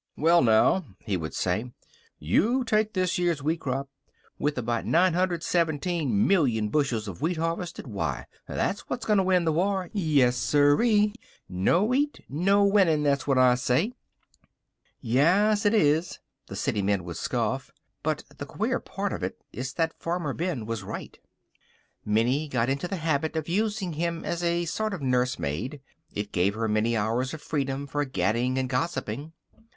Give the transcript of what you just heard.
"Well, now," he would say, "you take this year's wheat crop, with about 917,000,000 bushels of wheat harvested, why, that's what's going to win the war! Yes, sirree! No wheat, no winning, that's what I say." "Ya as, it is!" the city men would scoff. But the queer part of it is that Farmer Ben was right. Minnie got into the habit of using him as a sort of nursemaid. It gave her many hours of freedom for gadding and gossiping.